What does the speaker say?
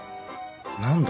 何だ？